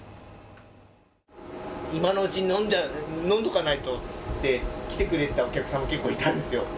今のうちに飲んでおかないとって、来てくれたお客さんも結構いたんですよ。